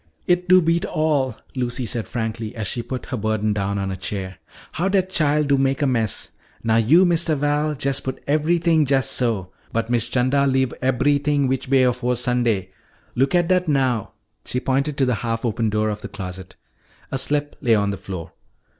"It do beat all," Lucy said frankly as she put her burden down on a chair, "how dat chile do mak' a mess. Now yo', Mistuh Val, jest put eberythin' jest so. But Miss 'Chanda leave eberythin' which way afore Sunday! Looka dat now." She pointed to the half open door of the closet. A slip lay on the floor.